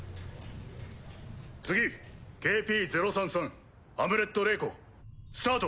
次ＫＰ０３３ハムレット・レーコスタート。